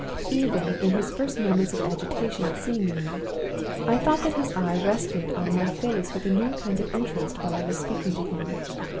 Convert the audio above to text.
"Even in his first moments of agitation at seeing me, I thought that his eyes rested on my face with a new kind of interest while I was speaking to him.